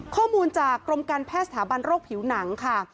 ข้อมูลจากกรมการแพทย์สถาบันโรคผิวหนังค่ะ